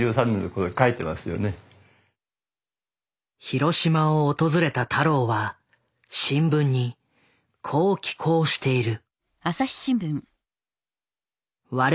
広島を訪れた太郎は新聞にこう寄稿している。